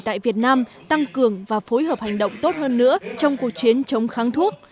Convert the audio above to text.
tại việt nam tăng cường và phối hợp hành động tốt hơn nữa trong cuộc chiến chống kháng thuốc